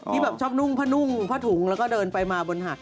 ที่แบบชอบนุ่งพะนุ่งพะถุงแล้วก็เดินไปมาบนหัก